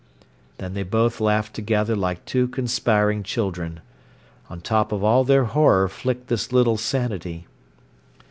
Then they both laughed together like two conspiring children. On top of all their horror flicked this little sanity.